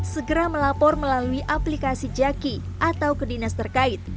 segera melapor melalui aplikasi jaki atau ke dinas terkait